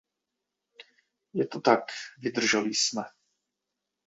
Je to tak, vydrželi jsme.